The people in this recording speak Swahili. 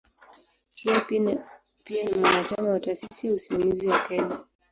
Yeye pia ni mwanachama wa "Taasisi ya Usimamizi ya Kenya".